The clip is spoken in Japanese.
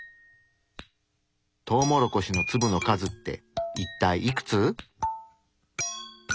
トウモロコシの粒の数っていったいいくつ？